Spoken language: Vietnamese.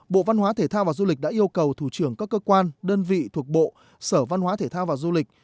bộ văn hóa thể thao và du lịch đã yêu cầu thủ trưởng các cơ quan đơn vị thuộc bộ sở văn hóa thể thao và du lịch